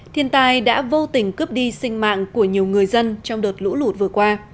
thiên tai đã vô tình cướp đi sinh mạng của nhiều người dân trong đợt lũ lụt vừa qua